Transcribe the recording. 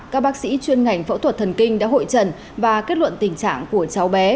các bác sĩ chuyên ngành phẫu thuật thần kinh đã hội trần và kết luận tình trạng của cháu bé